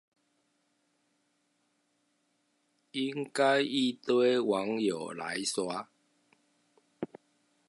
應該一堆網友來刷